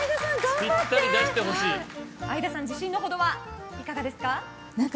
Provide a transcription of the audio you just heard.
相田さん、自信のほどはいかがですか？